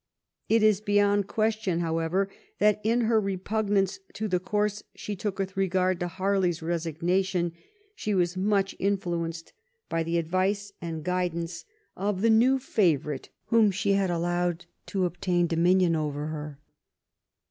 It is beyond question, however, that in her repugnance to the course she took with regard to Harley^s resignation she was much influenced by the advice and guidance of the new favorite whom she had allowed to obtain domin ion over her.